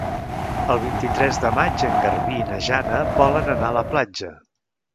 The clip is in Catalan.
El vint-i-tres de maig en Garbí i na Jana volen anar a la platja.